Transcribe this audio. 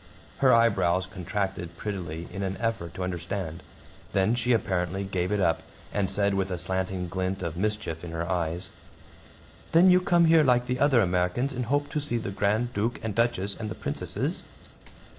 Her eyebrows contracted prettily in an effort to understand. Then she apparently gave it up, and said with a slanting glint of mischief in her eyes: "Then you come here like the other Americans in hope to see the Grand Duke and Duchess and the Princesses?"